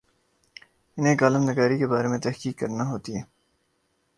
انہیں کالم نگاری کے بارے میں تحقیق کرنا ہوتی ہے۔